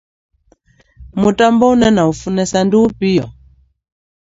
Mutambo une na u funesa ndi ufhio?